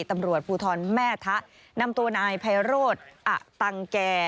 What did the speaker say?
ตำรวจภูทรแม่ทะนำตัวนายไพโรธอตังแก่